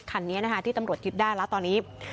คันนี้นะคะที่ตำรวจยึดได้แล้วตอนนี้